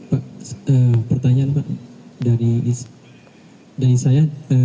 pertanyaan dari saya